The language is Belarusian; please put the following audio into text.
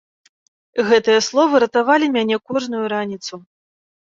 Гэтыя словы ратавалі мяне кожную раніцу.